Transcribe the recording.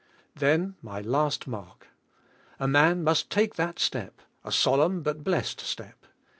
Then, my last mark. A man must take that step, a solemn but blessed step.